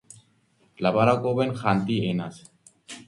ლაპარაკობენ ხანტი ენაზე.